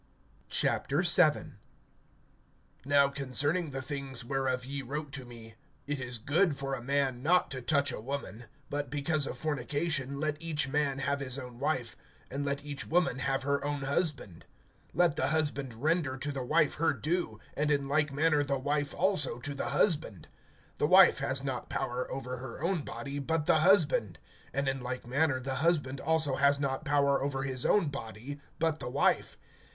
VII. NOW concerning the things whereof ye wrote to me: It is good for a man not to touch a woman; (2)but because of fornication, let each man have his own wife, and let each woman have her own husband. (3)Let the husband render to the wife her due; and in like manner the wife also to the husband. (4)The wife has not power over her own body, but the husband; and in like manner the husband also has not power over his own body, but the wife.